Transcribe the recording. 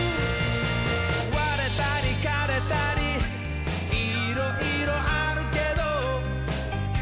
「われたりかれたりいろいろあるけど」